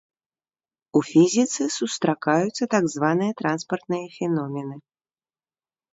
У фізіцы сустракаюцца так званыя транспартныя феномены.